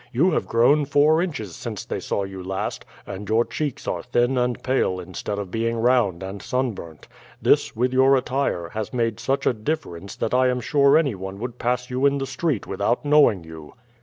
"You have grown four inches since they saw you last, and your cheeks are thin and pale instead of being round and sunburnt. This, with your attire, has made such a difference that I am sure anyone would pass you in the street without knowing you."